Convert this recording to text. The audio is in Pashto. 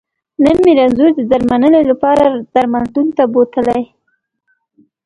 نن مې رنځور د درمنلې لپاره درملتون ته بوتلی